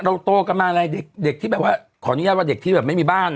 โตกันมาอะไรเด็กที่แบบว่าขออนุญาตว่าเด็กที่แบบไม่มีบ้าน